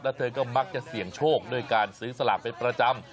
แล้วเธอก็มักจะเสี่ยงโชคด้วยการซื้อสลากเป็นประจำ